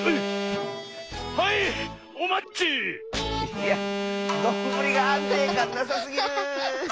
いやどんぶりがあんていかんなさすぎる！